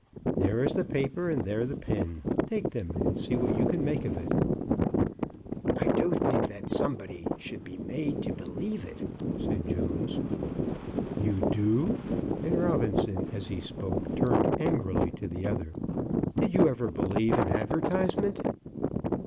There is the paper, and there the pen. Take them, and see what you can make of it." "I do think that somebody should be made to believe it," said Jones. "You do!" and Robinson, as he spoke, turned angrily at the other. "Did you ever believe an advertisement?"